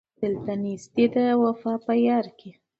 دلته نېستي ده وفا په یار کي